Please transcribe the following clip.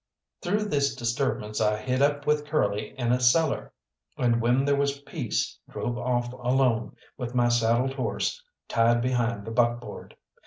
Through this disturbance I hid up with Curly in a cellar, and when there was peace drove off alone, with my saddled horse tied behind the buckboard.